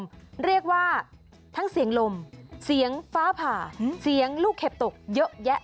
เรียกว่าทั้งเสียงลมเสียงฟ้าผ่าเสียงลูกเห็บตกเยอะแยะ